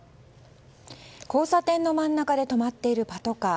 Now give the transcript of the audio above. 交差点の真ん中で止まっているパトカー。